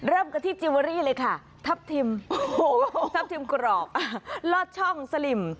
เริ่มกันที่จิเวอรี่เลยค่ะทัพทิมทัพทิมกรอบลอดช่องสลิม